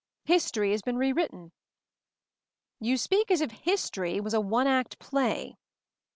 History has been rewritten." "You speak as if 'history' was a one act play."